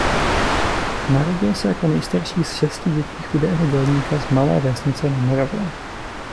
Narodil se jako nejstarší z šesti dětí chudého dělníka z malé vesnice na Moravě.